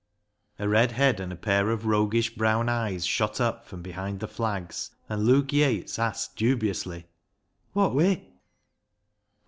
A red head and a pair of roguish bi'own eyes shot up from behind the flags, and Luke Yates asked dubiously —" Wot wi'